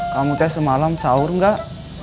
kamu nek semalam sahur gak